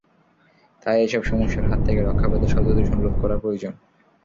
তাই এসব সমস্যার হাত থেকে রক্ষা পেতে শব্দদূষণ রোধ করা প্রয়োজন।